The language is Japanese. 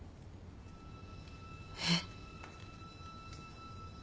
えっ。